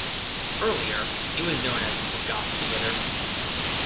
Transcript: Earlier it was known as Swagath theater.